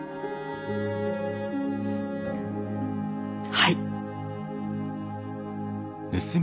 はい！